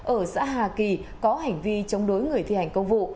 ở xã hà kỳ có hành vi chống đối người thi hành công vụ